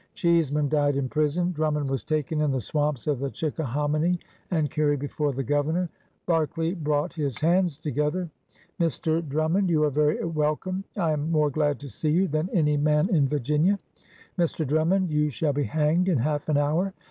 Cheeseman died in prison. Drum mond was taken in the swamps of the Chicka hominy and carried before the Governor. Berke ley brought his hands together. Mr. Dnmmiond, REBELUON AND CHANGE 187 you are very welcome! I am more glad to see you tlian any man in Virginia! Mr. Drummond you shall be hanged in half an hour!''